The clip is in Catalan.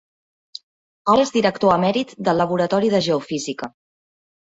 Ara és director emèrit del Laboratori de Geofísica.